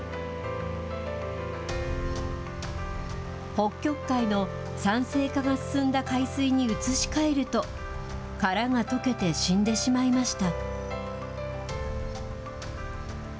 北極海の酸性化が進んだ海水に移し替えると、殻が溶けて死んでしまいました。